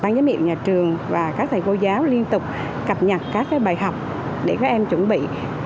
ban giám hiệu nhà trường và các thầy cô giáo liên tục cập nhật các bài học để các em chuẩn bị